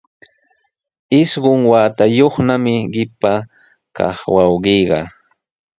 Isqun watayuqnami qipa kaq wawqiiqa.